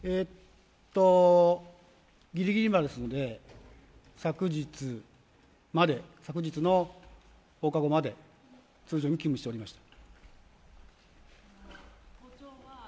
ギリギリまでですので昨日の放課後まで通常に勤務しておりました。